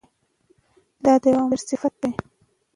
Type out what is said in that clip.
دا د یو مشر صفت دی.